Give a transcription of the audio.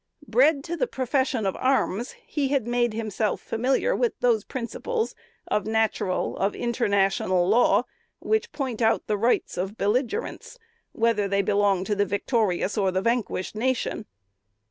Bred to the profession of arms, he had made himself familiar with those principles of natural, of international, law which point out the rights of belligerents, whether they belong to the victorious or the vanquished nation.